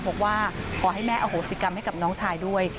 บอกว่าขอให้แม่อโหสิกรรมให้กับน้องชายด้วย